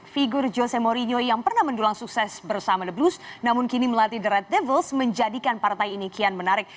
figur jose mourinho yang pernah mendulang sukses bersama the blues namun kini melatih the red devils menjadikan partai ini kian menarik